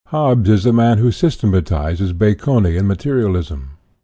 Hobbes is the man who systematizes Baconian materialism.